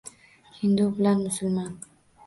Hindu bilan musulmon.